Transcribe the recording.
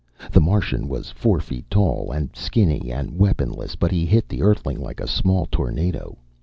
The Martian was four feet tall, and skinny and weaponless, but he hit the Earthling like a small tornado.